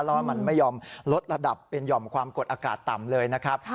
แล้วมันไม่ยอมลดระดับเป็นหย่อมความกดอากาศต่ำเลยนะครับ